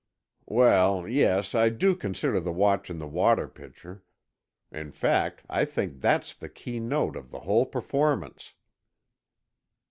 "Well, yes, I do consider the watch in the water pitcher. In fact, I think that's the key note of the whole performance."